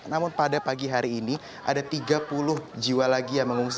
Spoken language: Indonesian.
namun pada pagi hari ini ada tiga puluh jiwa lagi yang mengungsi